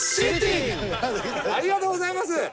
ありがとうございます！